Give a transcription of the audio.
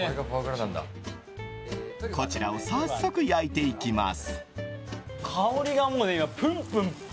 こちらを早速焼いていきます。